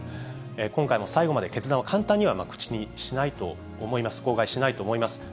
今回も最後まで決断を簡単には口にしないと思います、口外しないと思います。